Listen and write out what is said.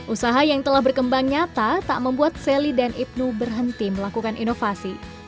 usaha yang telah berkembang nyata tak membuat sally dan ibnu berhenti melakukan inovasi